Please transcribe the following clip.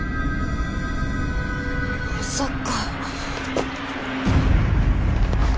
まさか。